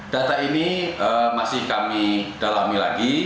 data ini masih kami dalami lagi